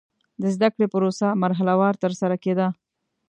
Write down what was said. د زده کړې پروسه مرحله وار ترسره کېده.